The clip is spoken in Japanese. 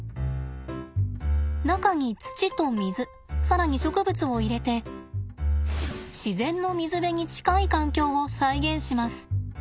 中に土と水更に植物を入れて自然の水辺に近い環境を再現します。